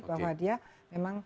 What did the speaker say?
bahwa dia memang